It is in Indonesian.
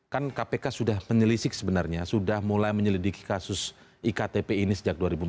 kan kpk sudah menyelisik sebenarnya sudah mulai menyelidiki kasus iktp ini sejak dua ribu empat belas